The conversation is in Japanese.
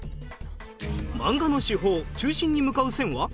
漫画の手法中心に向かう線は？